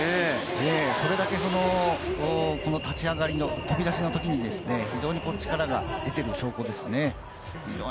それだけこの立ち上がりの飛び出しの時に、非常に力が出ている証拠ですね。